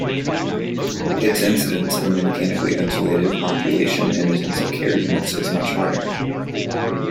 Its incidence in the mechanically ventilated population in intensive care units is much higher.